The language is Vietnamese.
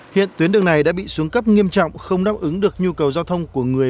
hiện tuyến đường này đã bị xuống cấp nghiêm trọng không đáp ứng được nhu cầu giao thông của người